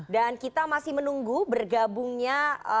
dan kita masih menunggu bergabungnya